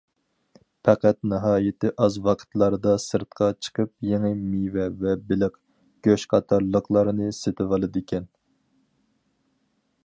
پەقەت ناھايىتى ئاز ۋاقىتلاردا سىرتقا چىقىپ يېڭى مېۋە ۋە بېلىق، گۆش قاتارلىقلارنى سېتىۋالىدىكەن.